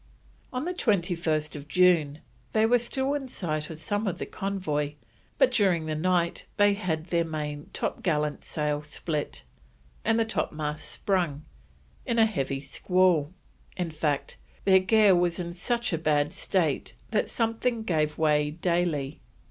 On the 21st June they were still in sight of some of the convoy, but during the night they had their main topgallant sail split, and the topmast sprung, in a heavy squall; in fact, their gear was in such a bad state that something gave way daily.